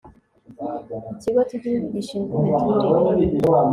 ikigo cy igihugu gishinzwe imiturire